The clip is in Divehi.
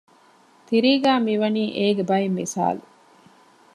ތިރީގައި މި ވަނީ އޭގެ ބައެއް މިސާލު